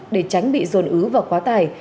để tránh bị dồn ứ và quá tải